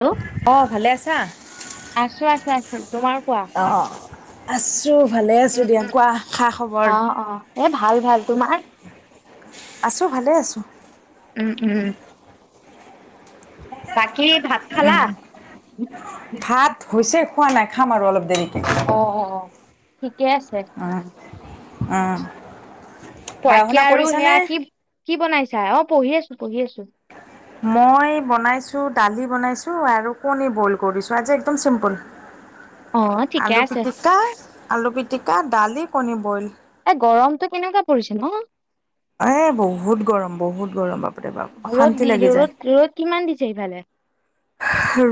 Hello অ ভালে আছা আছো আছো আছো তোমাৰ কোৱা অ। আছোঁ ভালে আছোঁ উম দিয়া উম কোৱা খা খবৰ। অ অ এ ভাল ভাল তোমাৰ আছোঁ ভালে আছোঁ। উম উম। কি ভাত খালা? ভাত হৈছে খোৱা নাই খাম আৰু অলপ দেৰি অ অ অ আছে অ অহ বাকী আৰু সেয়া কি কি বনাইছা অ পঢ়ি আছো পঢ়ি আছো মই বনাইছো দালি বনাইছো আৰু কণী বইল কৰিছো আজি একদম চিম্পুল অ ঠিকে আলু আছে পিটিকা আলু পিটিকা দালি কণী বইল এ গৰমতটো কেনেকুৱা পৰিছে ন এ বহুত গৰম বহুত গৰম বাপ বাপৰে ৰ'দ অশান্তি দি লাগি ৰ'দ যায়। ৰ'দ কিমান দিছে ইফালে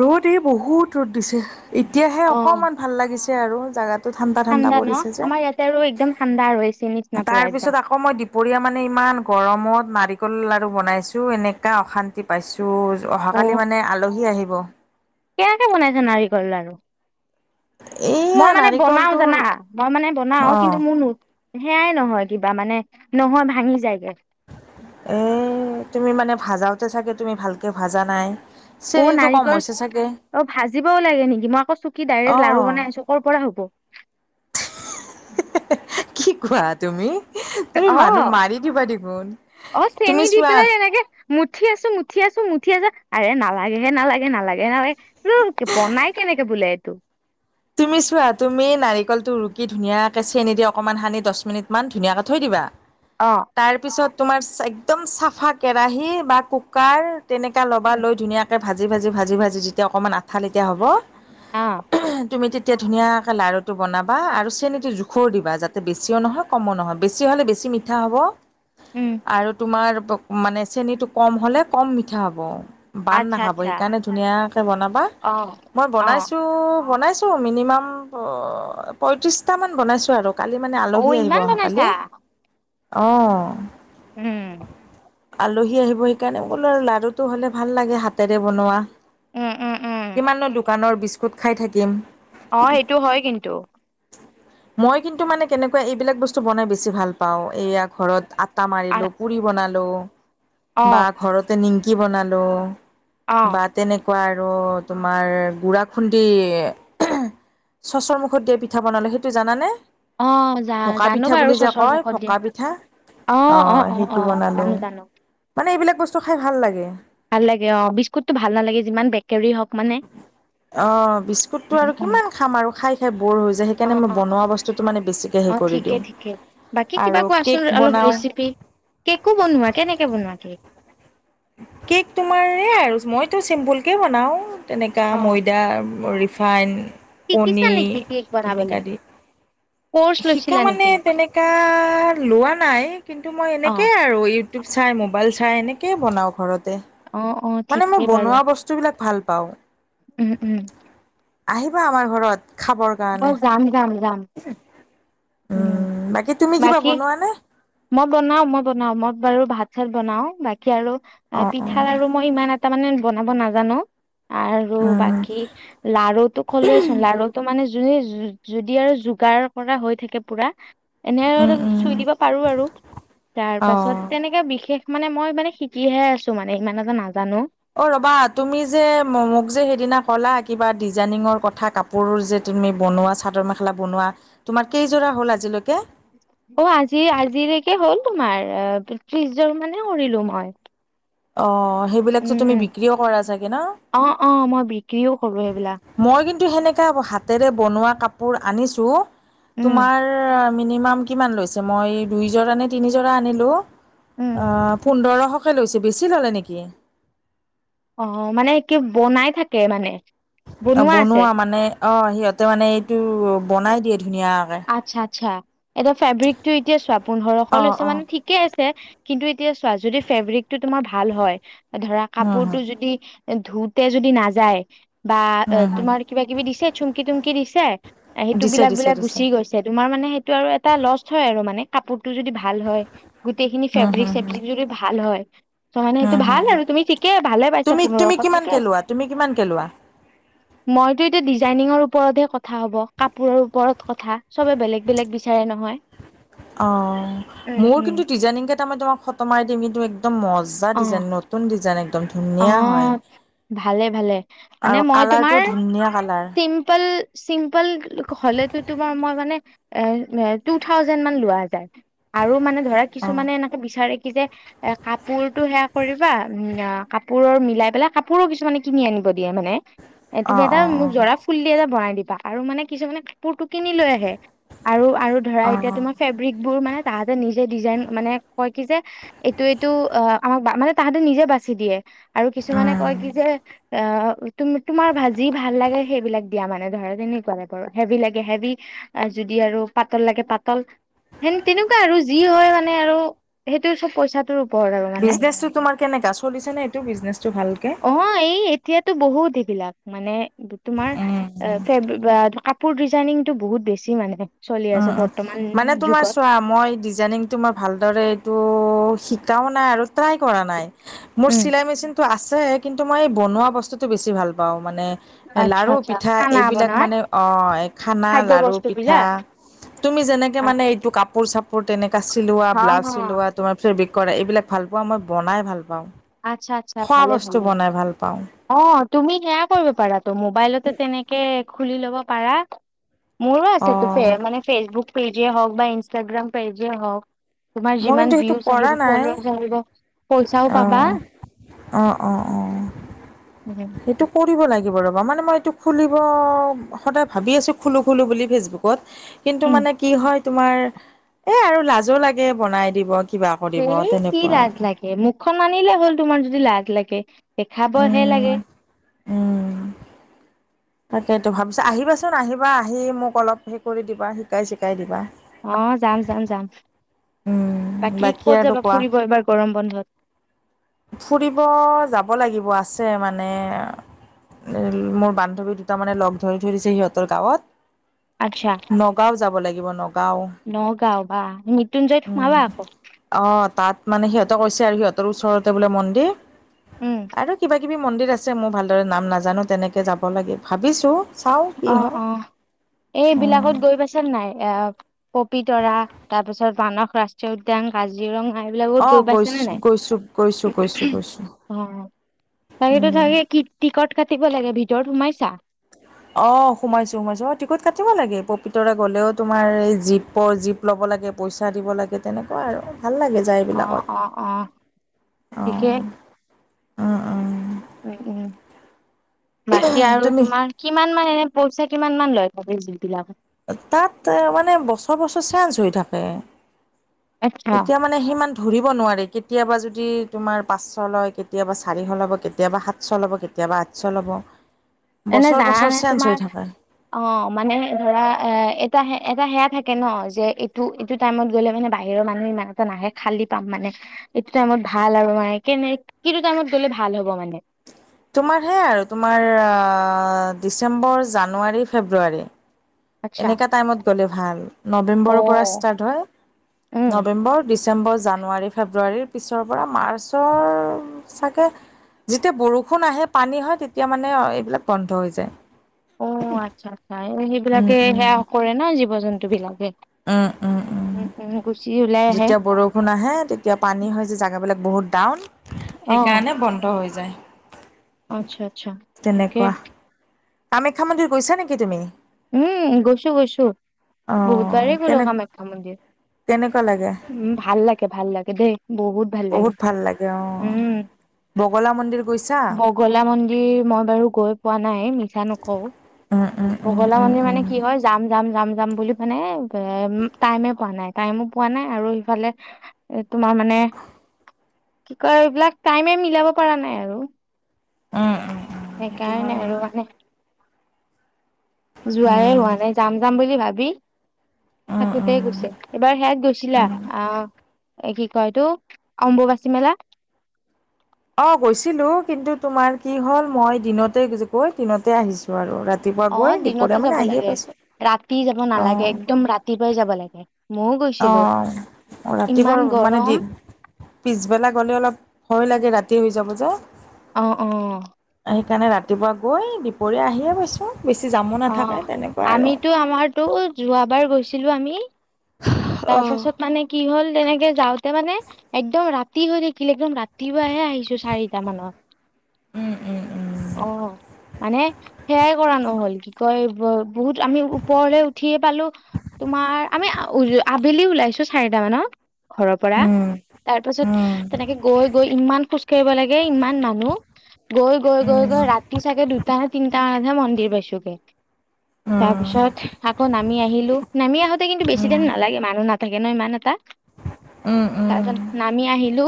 ৰ'দ এই বহুত ৰ'দ দিছে এতিয়াহে অ অকনমান ভাল লাগিছে আৰু জোগাতো ঠাণ্ডা ন আমাৰ ইয়াতে আৰু একদম ঠাণ্ডা আৰু এ চি নি তাৰ পিছত আকৌ মই দুপৰীয়া মানে ইমান গৰমত মাত নাৰিকল লাৰু বনাইছো এনেকা অশান্তি পাইছোঁ অ অহাকালি মানে আলহী আহিব কেনেকে বনাইছে নাৰিকল লাৰু এইয়া মই মানে বনাও নাৰিকলটো জানা মই মানে বনাও অঁ কিন্তু মোৰ নো সেয়াই নহয় কিবা মানে নহয় ভাঙি যায়গে এ তুমি মানে ভাজাওতে চাগে তুমি ভালকে ভাজা নাই অ শ্ৰেণীতটো কম নাৰিকল হৈছে চাগে অ ভাজিবও লাগে নেকি মই আকৌ চুকী ডাইৰেক্ট অঁ লাৰু বনাই আছো কৰ' পৰা হ'ব কি কোৱা তুমি তুমি অ মানুহ মাৰি দিবা দেখোন, অ চেনি তুমি দি চোৱা পেলাই এনেকে মুঠি আছো মুঠি আছো মুঠি আছো আৰে নালাগে হে নালাগে নালাগে নালাগে বনাই কেনে কেনেকে বোলে এইটো তুমি চোৱা তুমি নাৰিকলটো ৰুকি ধুনীয়াকে চেনি দি অকণমান সানি দহ মিনিট মান ধুনীয়াকে থৈ দিবা অ তাৰ পিছত তোমাৰ একদম চাফা কেৰাহি বা কুকাৰ তেনেকা লবা লৈ ধুনীয়াকে ভাজি ভাজি ভাজি ভাজি যেতিয়া অকণমান আঠা লেতিয়া হ'ব আহ তুমি তেতিয়া ধুনীয়াকে লাৰুটো বনাবা আৰু চেনীতো জোখৰও দিবা যাতে বেছিও নহয় কমো নহয় বেছি 'লে বেছি মিঠা হ'ব উম আৰু তোমাৰ মানে চেনীটো কম হ'লে কম মিঠা হ'ব বান আচ্ছা নাখাব আচ্ছা সেইকাৰণে ধুনীয়াকে বনাবা অ মই অ বনাইছো বনাইছো ছোঁ মিনিমাম পয়ত্ৰিচটা মান বনাইছোঁ আৰু কালি মানে অ আলহী আহিব ইমান অহা বনাইছা কালি, অহ উম আলহী আহিব সেইকাৰণে বোলো আৰু লাডুটো হ'লে ভাল লাগে হাতেৰে বনোৱা উম উম উম কিমাননো দোকানৰ বিস্কুট খাই থাকিম অ সেইটো হয় কিন্তু মই কিন্তু মানে কেনেকুৱা এইবিলাক বস্তু বনাই বেছি ভাল পাওঁ এইয়া ঘৰত আটা মাৰিলো পুৰি বনালো অ বা ঘৰতে নিমকি বনালো অ বা তেনেকোৱা আৰু তোমাৰ, গুড়া খুন্দি চচৰ মুখত দিয়া পিঠা বনালে সেইটো জানানে অ', জা ভকা জানো পিঠা বাৰু বুলি যে চচৰ কয় মুখত দিয়া। ভকা পিঠা অ সেইটো বনালো মানে এইবিলাক বস্তু খাই ভাল লাগে। ভাল লাগে অ বিস্কুটটো ভাল নালাগে যিমান বেকাৰী হওক মানে টো উম, আৰু উম। কিমান খাম আৰু খাই খাই ব'ৰ হৈ যায় সেইকাৰণে অ', মই অ', বনোৱা অ', বস্তুটো মানে বেছিকৈ সেই অ', কৰি ঠিকে দিও ঠিকে বাকী কিবা কোৱাচোন অলপ ৰেচিপি কেকো বনোৱা কেনেকে বনোৱা কেক কেক তোমাৰ আৰু মইতো চিম্পুল কে বনাও তেনেকোৱা অ', ময়দা ৰিফাইন শিকিছা কণী নেকি কেক বনাবলে? তেনেকা দি কৰ্চ শিকা লৈছিলা মানে নেকি? তেনেকা লোৱা নাই কিন্তু মই অ', এনেকেই আৰু ইউ টোক চাই মোৱাইল চাই এনেক বনাও ঘৰতে অ', অ', মানে মই ঠিকেই বন বাৰু বস্তুবিলাক ভাল পাওঁ। উম উম আহিবা আমাৰ ঘৰত। খাবৰ ব কাৰণে যাম যাম যাম। উম বাকী তুমি কিবা বাকী বনোৱা নে। মই বনাও মই বনাও মই বাৰু ভাত চাত বনাও বাকী। আৰু অ', পিঠাৰ আৰু মই ইমান এটা মানে বনাব নাজানো। আৰু অ', উম। বাকী, লাৰুতটো খলোৱেচোন লাৰুটো মানে। য যদি আৰু যোগাৰ পৰা হৈ থাকে পুৰা, এনে উম অলপ উম চুই দিব। আৰু আৰু তাৰ অ পাছত তেনেকে। বিশেষ মানে মই মানে শিকিহে আছো মানে ইমান এটা নাজানো। অ ৰবা তুমি যে মোক যে সেইদিনা কলা কিবা ডিজাইনিঙৰ কথা কাপোৰ যে। তুমি বনোৱা চাদৰ মেখেলা বনোৱা, তুমাৰ কেইজোৰা হ'ল আজিলৈকে। অ আজি আজিৰেকে হ'ল তোমাৰ ত্ৰিশজন মানে কৰিৰিলো মই। অ। সেইবিলাকতো তুমি উম, বিক্ৰীও কৰা চাগে ন অ অ মই বিক্ৰীও কৰলো সেইবিলাক। কিন্ত সেনে হাতেৰে বনোৱা কাপোৰ আনিছো উম তোমাৰ। মিনিমাম কিমান লৈছে মই নিজৰজ কাৰনে তিনিজৰা আনিলো উম অ সুন্দৰ। সহকৈ লৈছে বেছি ল'লে নেকি। অ মানে কি বনাই থাকে মানে। অ বনোৱা মানে অ সিহঁতে মানে এইটো বনাই দিয়ে। ধুনীয়াকে আচ্ছা আচ্ছা এতিয়া ফেব্ৰিকতটো এতিয়া চোৱা পোন্ধৰশ অ লৈছে অ মানে ঠিকে আছে। কিন্তু এতিয়া চোৱা যদি ফেব্ৰিকটো তোমাৰ ভাল হয় ধৰা হম কাপোৰটো হম যদি। ধোতে যদি নাযায়। বা হুম হুম তোমাৰ কিবা কিবি দিছে চুমকি তুমকি দিছে, সেইটো দিছে বিলাক দিছে বিলাক। দিছে গুচি গৈছে তোমাৰ মানে সেইটো আৰু এটা লছ হয় আৰু মানে কাপোৰ। ভাল হয়, গোটেই খিনি হুম ফেৰৰিক হুম চিক হুম যদি ভাল হয় ত মানে হুম সেইটো ভাল হুম আৰু তুমি। কি ভালে পাইছো পোন্ৰশত ঠিকে আছে। কিমান কে লোৱা। মইতটো এতিয়া ডিজাইনিঙৰ ওপৰতহে ক। কথা হব কাপোৰৰ ওপৰত কথা চবে বেলেগ বেলেগ বিচাৰে নহয়। অ উম মোৰ উম। কিন্তু ডিজাইং কেইটা মই তোমাক খতমাই দিম কিন্তু। একদম মজা অ ডিজাইন নতুন ডিজাইন এক। অ, ভালে ভালে, মানে আৰু মই কালাৰটো তোমাৰ, ধুনীয়া কালাৰ চিম্পল। চিম্পল হলেতো তোমাৰ মই মানে, এ টু থাউজেড মান লোৱা যায়। আৰু মানে ধৰা অ কিছুমানে এনেকে বিচাৰে কি যে এ কাপোৰতটো সেয়া কৰিবা উম ক। কাপোৰৰ মিলাই পেলাই কাপোৰো কিছুমানে কিনি আনিব দিয়ে মানে, এ অ তুমি এটা অ মোক জৰা ফুল দি এটা বনাই। দিবা আৰু মানে কিছুে কাপোৰটো কিনি লৈ আহে আৰু আৰু ধৰা অ অ এতিয়া তোমাৰ ফেব্ৰিক বোৰ মানে। তাহাঁতে নিজে ডিজাইন মানে, কয় কি যে এইটো এইটো অ আমাক মানে তাহাঁতে নিজে বাচি দিয়ে। আৰু কিছুমানে কয় উম কি যে অ টু তুম তোমাৰ ভাজি ভাল লাগে সেইবিলাক দিয়া মানে ধৰা তেনেকুৱে বাৰু হেভি লাগে হেভি যদি আৰু পাতল লাগে পাতল সেন তেনেকুৱা আৰু যি হয় মানে আৰু সেইটো চব পইচা বিজনেচটো তোমাৰ কেনেকা চলিছে নে এইটো বিজনেচটো ভালকে অ এই এতিয়াতো বহুত সেইবিলাক মানে তোমাৰ উম ফে কাপোৰ ডিজাইনিংটো বহুত বেছি মানে চলি উম, আছে উম। বৰ। মানে তোমাৰ চোৱা মই ডিজাইনিংতো মই ভালদৰে এইটো শিকাও নাই আৰু ট্ৰাই কৰা নাই, মোৰ উম চিলাই মেচিনটো আছে কিন্তু মই বনোৱা বস্তুটো বেছি ভাল পাওঁ। মানে আচ্ছা লাৰু, আচ্ছা পিঠা খানা এইবিলাক বনাই মানে অঁ খানা খাদ্য লাৰু, বস্তু পিঠা বিলাক তুমি যেনেকে মানে হ এইটো কাপোৰ চাপোৰ তেনেকা চিলোৱা, হ ব্লাউজ চিলোৱা তোমাৰ পিছত কৰে এইবিলাক ভাল পোৱা মই বনাই ভাল পাওঁ, আচ্ছা আচ্ছা খোৱা ভালে বস্তু ভালে বনাই ভাল পাওঁ। অ তুমি সেয়া কৰিব পাৰাতো মোবাইলতে তেনেকে খুলি ল'ব পাৰা। মোৰো আছে ত অ' মানে ফে ফেচবুক পেজে হওক বা ইনষ্টাগ্ৰাম পেজে হওক তোমাৰ মই কিন্তু যিমান সেইটো ভিউজ কৰা আহিব নাই ফল আহিব পইচাও পাবা। অঁ অঁ অঁ। উমু। কৰিব লাগিব ৰ'বা মানে মই এইটো খুলিব সদায় ভাবি আছোঁ খুলোঁ খোলোঁ বুলি ফেচবুকত কিন্তু উম মানে কি হয় তোমাৰ এ আৰু লাজো লাগে বনাই দিব। কিবা কৰিব সেই কি তেনেকুৱা লাজ আৰু লাগে মোক খন আনিলে হ'ল তোমাৰ যদি লাজ লাগে দেখাব হে উম লাগে। [inaudible] তাকেই ভাবিছ আহিবাচোন আহিবা আহি মোক অলপ হে কৰি দিবা শিকাই চিকাই দিবা। অ যাম যাম যাম, উম বাকী কত আৰু যাবা কোৱা ফুৰিব এবাৰ গৰম বন্ধত? ফুৰিব যাব লাগিব আছে মানে মোৰ বান্ধৱী দুটা মানে লগ ধৰি ধৰি দিছে সিহঁতৰ গাঁৱত। আচ্ছা, নগাঁও যাব লাগিব নগাঁও নগাঁও বা মৃত্যুঞ্জয় সোমাবা উম আকৌ। অ তাত মানে সিহঁতে কৈছে আৰু সিহঁতৰ ওচৰতে বোলে মন্দিৰ উম আৰু কিবা কিবি মন্দিৰ আছে মোৰ ভালদৰে নাম নাজানো তেনেকৈ যাব লাগে ভাবিছোঁ। অ অ উম এইবিলাকত গৈ পাইছে নাই? এ পপিতৰা তাৰ পিছত মানস ৰাষ্ট্ৰীয় উদ্যান, কাজিৰঙ ম অ এইবিলাকত গৈ পাইছেনে গৈছো নাই? গৈছো গৈছো গৈছো গৈছো অ। তাকেইতো উম তাকে কি টিকট কাটিব লাগে ভিতৰত সোমাইছা? অ সোমাইছো সোমাইছো অ টিকট কাটিব লাগে পপিতৰে গ'লেও তোমাৰ এই জীপৰ জীপ লব লাগ লাগে, পইচা দিব লাগে তেনেকুৱা আৰু। ভাল লাগে যায় অ এইবিলাকত অ অ ঠিকে অঁ অ অ। উম উম, বাকী আৰু তুমি তোমাৰ কিমান মান এনে পইচা কিমান মান লয় পাব [inaudible] যুবিলাকত। তাত মানে বছৰ বছৰ চেঞ্চ হৈ থাকে। আচ্ছা এতিয়া মানে সিমান ধৰিব নোৱাৰে কেতিয়াবা য দি তোমাৰ পাঁচশ লয়, কেতিয়াবা চাৰিশ ল'ব, কেতিয়াবা সাতশ ল'ব, কেতিয়াবা আঠশ ল'ব এনে বছৰ বছৰ জানানে চেঞ্জ হৈ তোমাৰ থাকে অ মানে ধৰা এ এটা এটা সেয়া থাকে ন যে এইটো এইটো টাইমত গ'লে মানে বাহিৰৰ মানুহ ইমান এটা নাহে খালী পাম মানে এইটো টাইমত ভাল আৰু মানে কেনে কিটো টাইমত গলে ভাল হ'ব মানে? তোমাৰ হে আৰু তোমাৰ ডিচেম্বৰ, জানুৱাৰী, ফেব্ৰুৱাৰী। আচ্ছা। এনেকা টাইমত গ'লে ভাল অ। নৱেম্বৰৰ পৰা ষ্টাৰ্ট হয় উম নৱেম্বৰ, ডি চেম্বৰ, জানুৱাৰী, ফেব্ৰুৱাৰীৰ পিছৰ পৰা মাৰ্চৰ চাগে যেতিয়া বৰষুণ আহে পানী হয় তেতিয়া মানে এইবিলাক বন্ধ হৈ যায়। অ আচ্ছা আচ্ছা এই উম সেইবিলাকে উম সেয়া কৰে ন জীৱ জন্তু বিলাকে। উম উম উম। গুচি ওলাই আহে যেতিয়া বৰষুণ আহে তেতিয়া পানী হয় যে জোগা বিলাক বহুত। ডাউন অ সেইকাৰণে বন্ধ হৈ যায়। আচ্ছা আচ্ছা ঠিকেই। তেনেকুৱা কামাখ্যা মন্দিৰ গৈছা নেকি তুমি? উম গৈছো গৈছো অ বহুতবাৰেই গ'লো কেনে কামাখ্যা মন্দিৰ। কেনেকুৱা লাগে উ ভাল লাগে ভাল লাগে দেই বহুত ভাল লাগে উম। বগলা মন্দিৰ গৈছা বগলা মন্দিৰ মই বাৰু গৈ পোৱা নাই মিছা নকওঁ। উম উম। উম বগলা উম মন্দিৰ উম মানে কি হয় যাম যাম যাম। যাম বুলি মানে এ টাইমে পোৱা নাই টাইমো পোৱা নাই আৰু ইফালে তোমাৰ মানে। কি কয় এইবিলাক টাইমে মিলাব পৰা নাই আৰু উম উম উম সেইটো সেইকাৰণে হয় আৰু মানে। যোৱাই উম হোৱা নাই যাম যাম বুলি ভাবি! উম থাকোঁতে উম গুছে এবাৰ সেৱাত গৈছিলা আহ! এ কি কয় এইটো অম্বুবাচী মেলা। অ গৈছিলো কিন্তু তোমাৰ কি হ'ল মই দিনতে গৈ দিনতে আহিছো আৰু ৰাতি অ দিনতে যাব লাগে ৰাতি যাব অ নালাগে একদম ৰাতিপুৱাই যাব লাগে। ময়ও গৈছিলো আহ ইমান ৰাতিপুৱা মানে দি গৰম পিছবেলা গ'লে অলপ ভয় লাগে ৰাতি হৈ যাব যে আহ অ সেইকাৰণে ৰাতিপুৱা গৈ দুপৰীয়া আহিয়ে গৈছোঁ। অ আমিতো আমাৰতো যোৱা বাৰ গৈছিলো আমি! তাৰ পাছত উম মানে কি হ'ল তেনেকে যাওঁতে মানে একদম ৰাতি হৈ থাকিল একদম ৰাতিপুৱাহে আহিছো চাৰিটা মানত উম উম আহ মানে সেয়াই কৰা নহ'ল কি কয় বহুত আমি ওপৰলে উঠিয়ে পালো তোমাৰ আমি আবেলি ওলাইছো চাৰিট মানত ঘৰৰ পৰা উম তাৰ উম পাছত উম তেনেকে গৈ গৈ ইমান খোজ কঢ়িব লাগে এই ইমান মানুহ গৈ গৈ গৈ উম গৈ ৰাতি চাগে দুটা নে তিনটা মানতহে মন্দিৰ পাইছো গে তাৰ পিছত আকৌ নামি আহিলো নামি আহোতে কিন্তু বেছি দিন ন মানুহ নাথাকে ন ইমান এটা উম উম তাৰ উম পিছত আমি আহিলো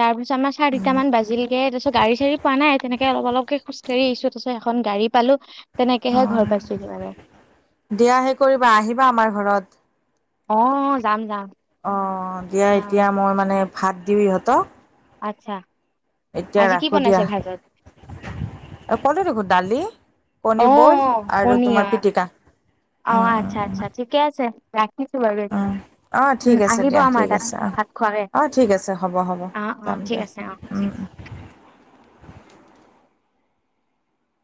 তাৰ পিছত আমাৰ চাৰিটা মান বাজিলগে তাৰ পিছত গাড়ী চাৰী পোৱা নাই তেনেকে অলপ অলপকে খোজ কাঢ়ি হেৰী চুপচে এখন গাড়ী পালো অ তেনেকেহে ঘৰ পাইছোহি মানে। দিয়া হে কৰিবা আহিবা আমাৰ ঘৰত অ যাম যাম অ দিয়া অ এতিয়া মই মানে ভাত দিওঁ ইহঁতক আচ্ছা! এতিয়া আজি কি ৰাখো বনাইছে ভাগত দিয়া কলো দেখোন দালি অ কণী বল আৰু তোমাৰ পনীয়া পিটিকা কিছ বাগ ন উম, [unintelligible] অ' উম ঠিক আছে আহিব দিয়া আমাৰ ঠিক তাত আছে অ'। ভাত খোৱাকৈ অ' ঠিক আছে হ'ব হ'ব অ অ যাম ঠিক দিয়া। আছে অ উম, উম। [unintelligible]